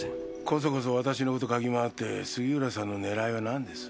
こそこそ私の事嗅ぎ回って杉浦さんの狙いは何です？